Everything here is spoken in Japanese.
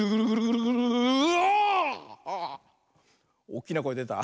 おっきなこえでた？